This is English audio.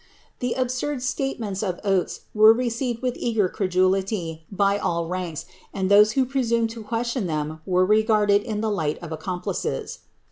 The absurd f latements of Gates were received with eager creduliir hj all ranks, ami iho<«e who prt^siinu'd to question them were regarded in the liffht of accomplices.